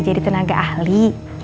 jadi tenaga ahli